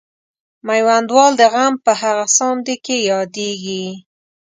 میوندوال د غم په هغه ساندې کې یادیږي.